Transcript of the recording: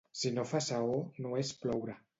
Si no fa saó, no és ploure.